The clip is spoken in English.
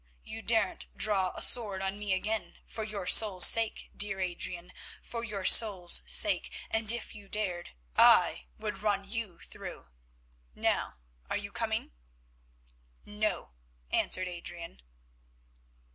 You daren't draw a sword on me again for your soul's sake, dear Adrian, for your soul's sake; and if you dared, I would run you through. Now, are you coming?" "No," answered Adrian.